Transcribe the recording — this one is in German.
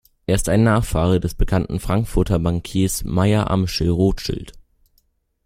Er ist ein Nachfahre des bekannten Frankfurter Bankiers Mayer Amschel Rothschild.